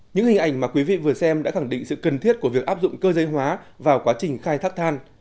những hình ảnh mà quý vị vừa xem đã khẳng định sự cần thiết của việc áp dụng cơ giới hóa vào quá trình khai thác than